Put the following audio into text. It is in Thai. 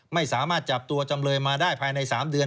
ไม่สามารถจับตัวจำเลยมาได้ภายใน๓เดือน